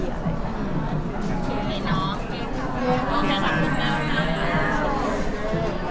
ขอบคุณให้น้องขอบคุณแล้วค่ะ